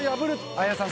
綾さん